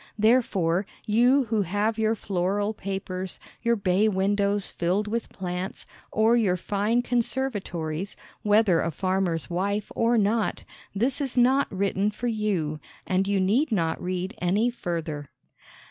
Therefore you who have your floral papers, your bay windows filled with plants, or your fine conservatories, whether a farmer's wife or not, this is not written for you, and you need not read any further.